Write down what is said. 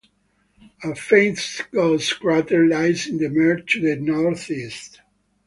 A faint ghost crater lies in the mare to the northeast.